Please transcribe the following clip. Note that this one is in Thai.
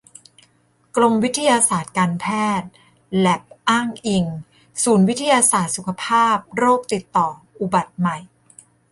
กรมวิทยาศาสตร์การแพทย์ แล็บอ้างอิง ศูนย์วิทยาศาสตร์สุขภาพโรคติดต่ออุบัติใหม่